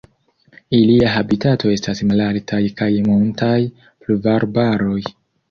Ilia habitato estas malaltaj kaj montaj pluvarbaroj.